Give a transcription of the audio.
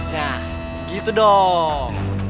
nah gitu dong